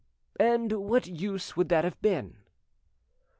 "And what use would that have been?"